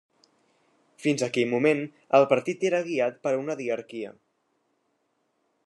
Fins aquell moment el partit era guiat per una diarquia.